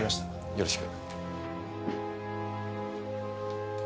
よろしく。